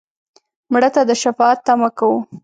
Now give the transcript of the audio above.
مړه ته د شفاعت تمه کوو